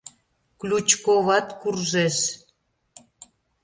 Ключковат куржеш.